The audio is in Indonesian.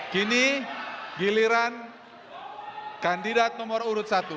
kini giliran kandidat nomor urut satu